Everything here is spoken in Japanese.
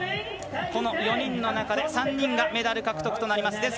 この４人の中で３人がメダル獲得となります。